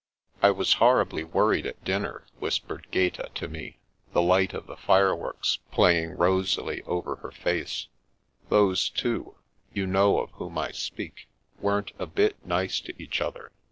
"I was horribly worried at dinner," whispered Gaeta to me, the light of the fireworks playing rosily 343 244 'T'hc Princess Passes over her face. " Those two— you know of whom I speak — ^weren't a bit nice to each other.